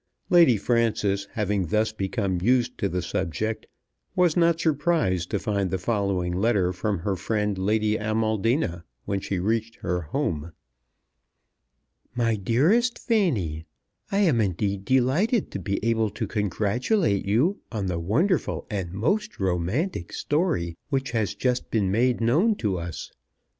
Lady Frances having thus become used to the subject was not surprised to find the following letter from her friend Lady Amaldina when she reached her home: MY DEAREST FANNY, I am indeed delighted to be able to congratulate you on the wonderful and most romantic story which has just been made known to us.